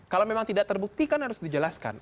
kalau memang tidak terbukti kan harus dijelaskan